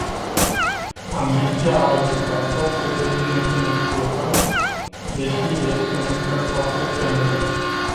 Ambiția a ajutat o să devină cunoscută, deși este încă foarte tânără.